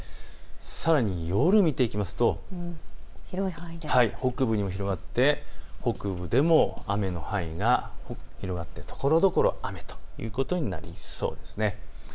さらに夜を見ていくと北部にも広がって北部でも雨の範囲が広がってところどころ雨ということになりそうです。